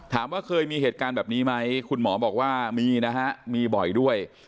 ถามว่าเคยมีเหตุการณ์แบบนี้ไหมคุณหมอบอกว่ามีนะฮะมีบ่อยด้วย